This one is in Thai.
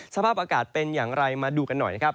สภาพอากาศเป็นอย่างไรมาดูกันหน่อยนะครับ